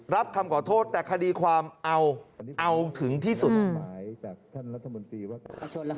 รับคำขอโทษแต่คดีความเอาเอาถึงที่สุด